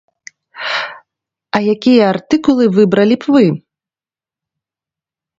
А якія артыкулы выбралі б вы?